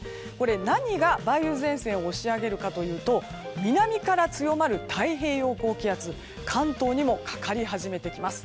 何が梅雨前線を押し上げるかというと南から強まる太平洋高気圧が関東にもかかり始めてきます。